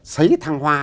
sấy thăng hoa